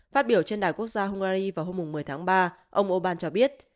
phát biểu trên đài quốc gia hungary vào hôm một mươi tháng ba ông orbán cho biết